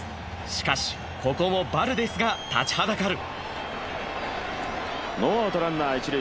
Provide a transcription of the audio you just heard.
しかし、ここもバルデスが立ちはだかる。